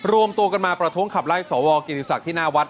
รวมตัวกันมาประท้วงขับไล่สวกิติศักดิ์ที่หน้าวัด